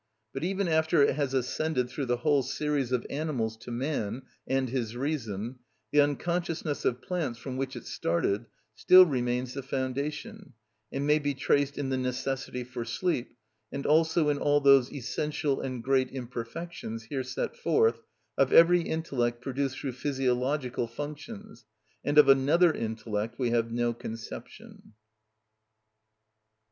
But even after it has ascended through the whole series of animals to man and his reason, the unconsciousness of plants, from which it started, still remains the foundation, and may be traced in the necessity for sleep, and also in all those essential and great imperfections, here set forth, of every intellect produced through physiological functions; and of another intellect we have no conception.